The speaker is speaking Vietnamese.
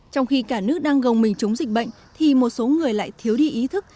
trong khi cả nước đang gồng mình chống dịch bệnh thì một số người lại thiếu đi ý thức